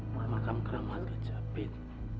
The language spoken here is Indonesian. makam keramat kejepit